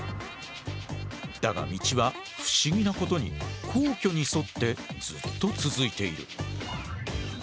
だが道は不思議なことに皇居に沿ってずっと続いている。